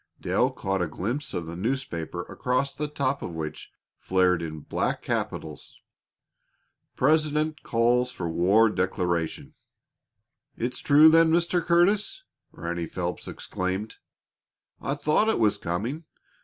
Dale caught a glimpse of the newspaper across the top of which flared in black capitals: PRESIDENT CALLS FOR WAR DECLARATION "It's true, then, Mr. Curtis!" Ranny Phelps exclaimed. "I thought it was coming.